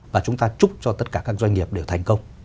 và chúng ta chúc cho tất cả các doanh nghiệp đều thành công